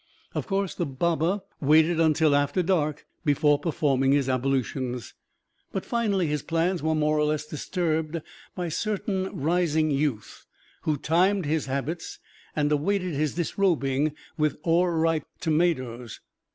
Of course, the Baba waited until after dark before performing his ablutions. But finally his plans were more or less disturbed by certain rising youth, who timed his habits and awaited his disrobing with o'erripe tomatoes.